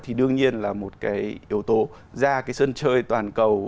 thì đương nhiên là một cái yếu tố ra cái sân chơi toàn cầu